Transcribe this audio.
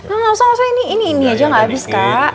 enggak usah ini ini aja gak habis kak